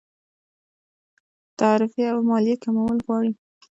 تعرفې او مالیې کمول غواړي.